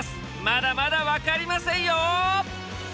まだまだ分かりませんよ。